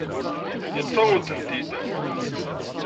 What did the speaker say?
Yeṭṭef-awen-ten-id.